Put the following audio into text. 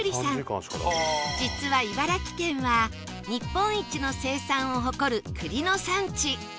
実は茨城県は日本一の生産を誇る栗の産地